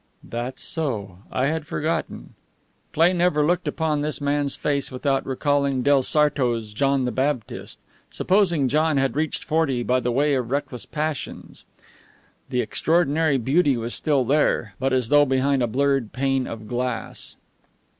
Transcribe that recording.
"That's so; I had forgotten." Cleigh never looked upon this man's face without recalling del Sarto's John the Baptist supposing John had reached forty by the way of reckless passions. The extraordinary beauty was still there, but as though behind a blurred pane of glass.